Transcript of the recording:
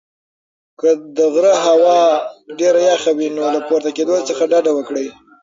که د غره هوا ډېره یخه وي نو له پورته کېدو څخه ډډه وکړئ.